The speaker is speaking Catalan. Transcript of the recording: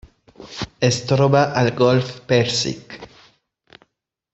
Es troba al golf Pèrsic: